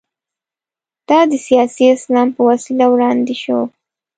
دا د سیاسي اسلام په وسیله وړاندې شو.